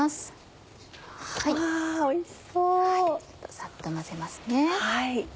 さっと混ぜますね。